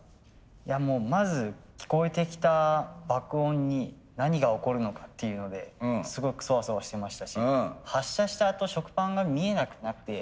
いやもうまず聞こえてきた爆音に何が起こるのかっていうのですごくソワソワしてましたし発射したあと食パンが見えなくなって。